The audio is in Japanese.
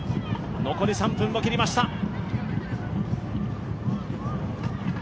残り３分を切りました。